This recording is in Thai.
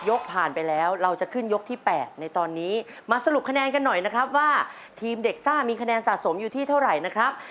ยกผ่านไปแล้วเราจะขึ้นยกที่๘ในตอนนี้มาสรุปคะแนนกันหน่อยนะครับว่าทีมเด็กซ่ามีคะแนนสะสมอยู่ที่เท่าไหร่นะครับ